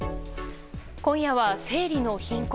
今夜は生理の貧困。